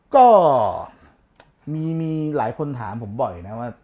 ก็มีหลายคนถามผมบ่อยนะว่า